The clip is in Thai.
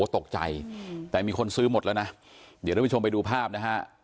ตกใจแต่มีคนซื้อหมดละน่ะเดี๋ยวชมไปดูภาพ้าว